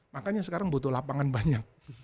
makanya sekarang butuh lapangan banyak